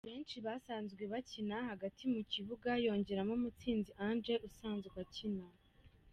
benshi basanzwe bakina hagati mu kibuga yongeramo Mutsinzi Ange usanzwe akina.